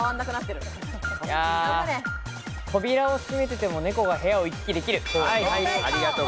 扉を閉めてても猫が部屋を行き来できる。